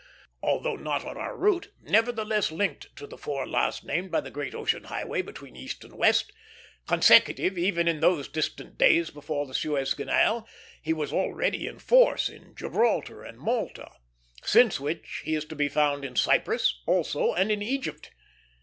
Although not on our route, nevertheless linked to the four last named by the great ocean highway between East and West, consecutive even in those distant days before the Suez Canal, he was already in force in Gibraltar and Malta; since which he is to be found in Cypress also and in Egypt.